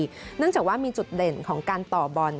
เนื่องจากว่ามีจุดเด่นของการต่อบอล